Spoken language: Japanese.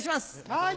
はい。